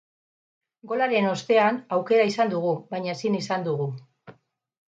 Golaren ostean aukera izan dugu, baina ezin izan dugu.